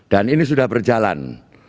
dan ini sudah berjalan